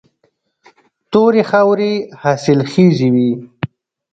تورې خاورې حاصلخیزې وي.